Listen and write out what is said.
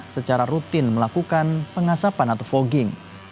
secara rutin melakukan pengasapan atau fogging